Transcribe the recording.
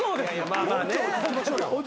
まあまあねっ。